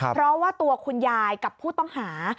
เพราะว่าตัวคุณยายกับผู้ต้องหา